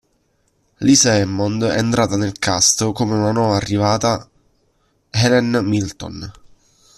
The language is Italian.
Lisa Hammond è entrata nel cast come una nuova arrivata Helen Milton.